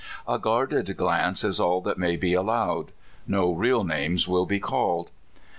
A guarded glance is all that may be allowed. No real names will be called.